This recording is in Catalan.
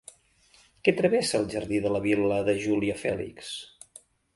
Què travessa el jardí de la Vil·la de Júlia Fèlix?